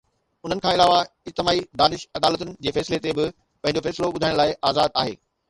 ان کان علاوه، اجتماعي دانش عدالتن جي فيصلن تي به پنهنجو فيصلو ٻڌائڻ لاءِ آزاد آهي.